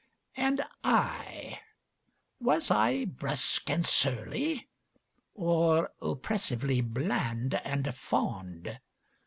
And I,ŌĆöwas I brusque and surly? Or oppressively bland and fond?